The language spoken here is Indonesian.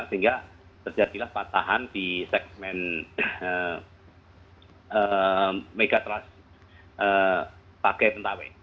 sehingga terjadilah patahan di segmen megatrust pakai pentawai